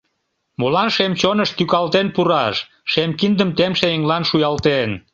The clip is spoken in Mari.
Молан шем чоныш тӱкалтен пураш, Шем киндым темше еҥлан шуялтен?